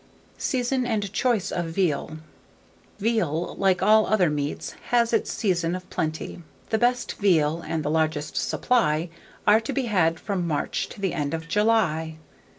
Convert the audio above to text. SEASON AND CHOICE OF VEAL. Veal, like all other meats, has its season of plenty. The best veal, and the largest supply, are to be had from March to the end of July.